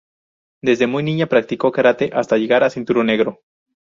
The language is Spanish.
Desde muy niña practicó karate, hasta llegar a cinturón negro.